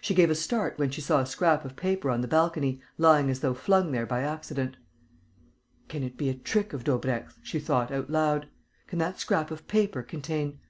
She gave a start when she saw a scrap of paper on the balcony, lying as though flung there by accident: "Can it be a trick of Daubrecq's?" she thought, out loud. "Can that scrap of paper contain...."